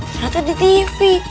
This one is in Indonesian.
ternyata di tv